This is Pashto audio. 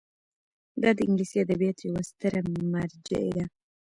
دا د انګلیسي ادبیاتو یوه ستره مرجع ده.